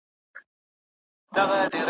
هسي نه چي په پردۍ سجده بد نام سو `